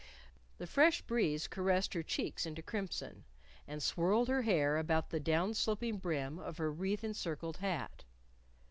The fresh breeze caressed her cheeks into crimson, and swirled her hair about the down sloping rim of her wreath encircled hat.